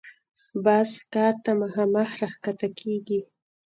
باز ښکار ته مخامخ راښکته کېږي